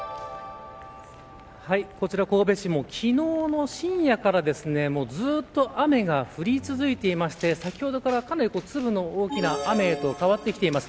こちら神戸市も昨日の深夜からずっと雨が降り続いていまして先ほどから、かなり粒の大きな雨へと変わってきています。